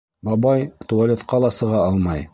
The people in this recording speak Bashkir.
Бабай туалетҡа ла сыға алмай.